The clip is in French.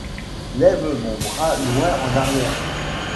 Lève mon bras loin en arrière.